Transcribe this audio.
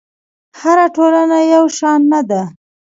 هره ټولنه یو شان نه ده.